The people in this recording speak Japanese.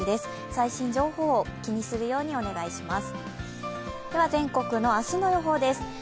最新情報、気にするようにお願いします。